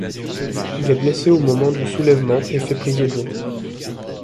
Il est blessé au moment du soulèvement et fait prisonnier.